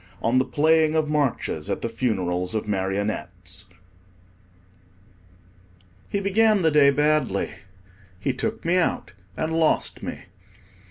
ON THE PLAYING OF MARCHES AT THE FUNERALS OF MARIONETTES HE began the day badly. He took me out and lost me.